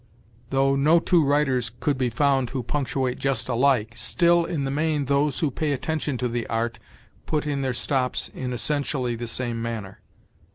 Though no two writers could be found who punctuate just alike, still in the main those who pay attention to the art put in their stops in essentially the same manner.